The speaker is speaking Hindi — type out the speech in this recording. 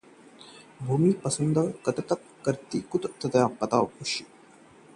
भूमि को पसंद है फैशन, करती हैं कुछ इस तरह शॉपिंग